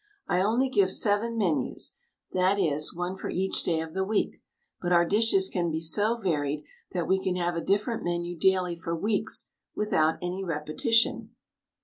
I only give seven menus, that is, one for each day of the week; but our dishes can be so varied that we can have a different menu daily for weeks without any repetition.